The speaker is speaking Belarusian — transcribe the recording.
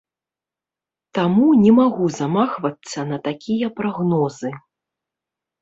Таму не магу замахвацца на такія прагнозы.